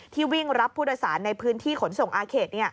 วิ่งรับผู้โดยสารในพื้นที่ขนส่งอาเขต